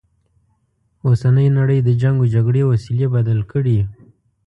اوسنۍ نړی د جنګ و جګړې وسیلې بدل کړي.